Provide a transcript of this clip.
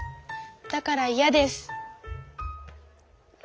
だからイヤです。